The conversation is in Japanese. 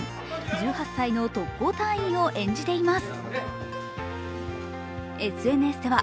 １８歳の特攻隊員を演じています。